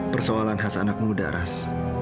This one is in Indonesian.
persoalan khas anakmu ras